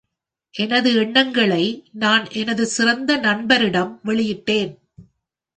எனது எண்ணங்களை நான் எனது சிறந்த நண்பரிடம் வெளியிட்டேன்.